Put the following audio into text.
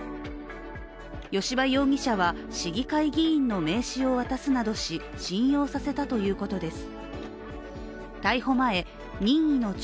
吉羽容疑者は市議会議員の名刺を渡すなどし信用させたということです。